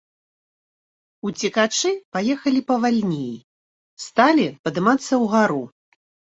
Уцекачы паехалі павальней, сталі падымацца ўгару.